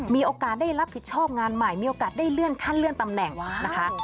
มีโอกาสได้รับผิดชอบงานใหม่มีโอกาสได้เลื่อนขั้นเลื่อนตำแหน่งนะคะ